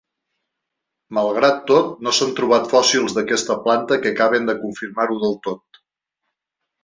Malgrat tot, no s'han trobat fòssils d'aquesta planta que acaben de confirmar-ho del tot.